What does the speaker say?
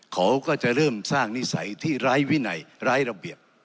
เขาก็จะเริ่มสร้างนิสัยที่ไร้วินัยไร้ระเบียบ